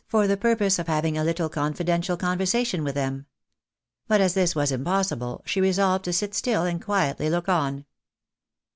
for the purpose of having a little confidential conversation with them. But as this was impossible, she resolved to sit still and quietly look on.